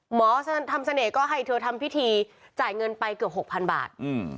หมอทำเสน่ห์ก็ให้เธอทำพิธีจ่ายเงินไปเกือบ๖๐๐๐บาท